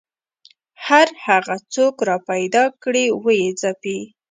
هر هغه څوک راپیدا کړي ویې ځپي